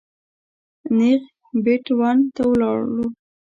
نېغ بېټ ون ته ولاړو.